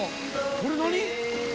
これ何？